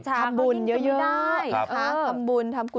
ทำบุญเยอะทำกลุ่น